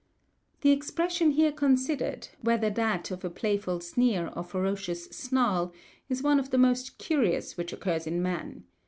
The expression here considered, whether that of a playful sneer or ferocious snarl, is one of the most curious which occurs in man.